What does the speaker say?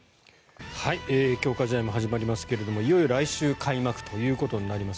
強化試合も始まりますがいよいよ来週開幕ということになります。